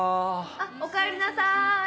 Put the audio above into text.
おかえりなさい。